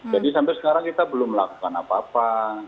jadi sampai sekarang kita belum melakukan apa apa